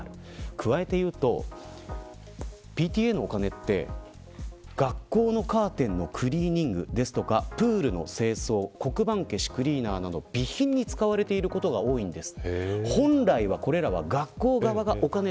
加えて言うと、ＰＴＡのお金は学校のカーテンのクリーニングとか、プールの清掃黒板消しクリーナーなどの備品に使われていることが多いんです。